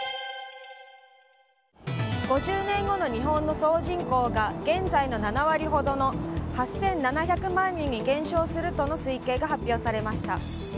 ５０年後の日本の総人口が現在の７割ほどの８７００万人に減少するとの推計が発表されました。